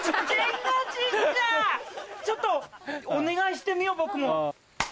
ちょっとお願いしてみよう僕も。